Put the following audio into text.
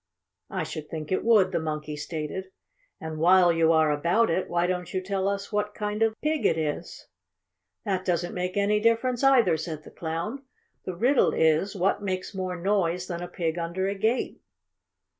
"I should think it would," the Monkey stated. "And while you are about it, why don't you tell us what kind of pig it is?" "That doesn't make any difference either," said the Clown. "The riddle is what makes more noise than a pig under a gate."